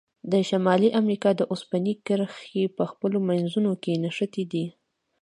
د شمالي امریکا د اوسپنې کرښې په خپلو منځونو نښتي دي.